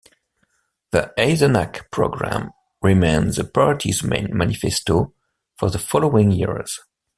The Eisenach Program remained the party's main manifesto for the following years.